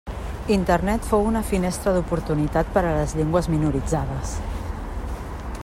Internet fou una finestra d'oportunitat per a les llengües minoritzades.